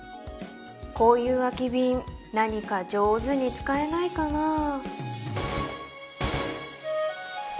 こういう空き瓶何か上手に使えないかな